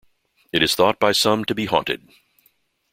It is thought by some to be haunted.